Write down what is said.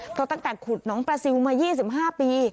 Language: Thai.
เพราะตั้งแต่ขุดน้องปลาซิลมา๒๕ปี